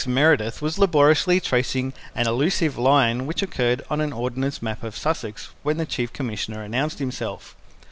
Meredith was laboriously tracing an elusive line which occurred on an ordnance map of Sussex when the Chief Commissioner announced himself.